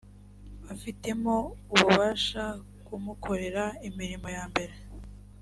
bafitemo ububasha kumukorera imirimo yambere